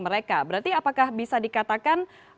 mereka berarti apakah bisa dikatakan